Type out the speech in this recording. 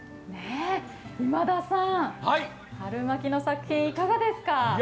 今田さん、はるまきの作品いかがですか？